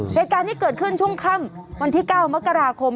เหตุการณ์ที่เกิดขึ้นช่วงค่ำวันที่๙มกราคม